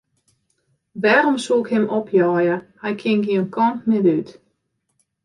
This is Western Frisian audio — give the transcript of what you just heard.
Wêrom soe ik him opjeie, hy kin gjin kant mear út.